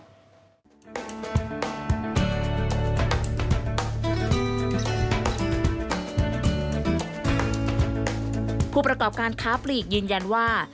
ผู้ประกอบการค้าปลีกยืนยันว่า